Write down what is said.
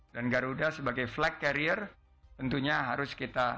dan garuda sebagai flag carrier tentunya harus kita